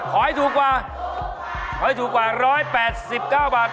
ขอให้ถูกกว่า๑๘๙บาท